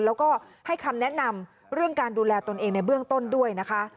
แล้วก็ให้คำแนะนำเรื่องการดูแลตนเองในเบื้องต้นด้วยนะคะ